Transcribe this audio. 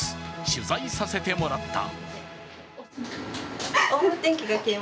取材させてもらった。